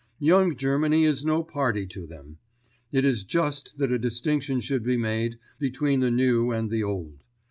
Young Germany is no party to them. It is just that a distinction should be made between the new and the old.